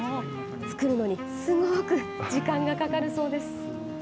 作るのにすごく時間がかかるそうです。